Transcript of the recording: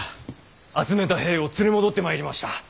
集めた兵を連れ戻ってまいりました。